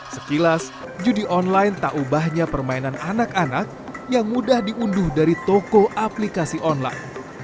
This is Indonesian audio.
sekilas judi online tak ubahnya permainan anak anak yang mudah diunduh dari toko aplikasi online